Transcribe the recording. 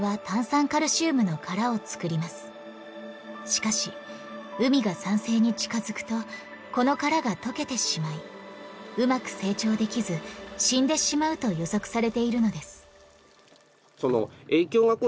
しかし海が酸性に近づくとこの殻が溶けてしまいうまく成長できず死んでしまうと予測されているのです。